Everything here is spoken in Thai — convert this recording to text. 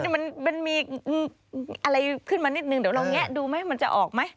มันมีอะไรขึ้นมานิดนึงเดี๋ยวเราแงะดูไหมมันจะออกไหม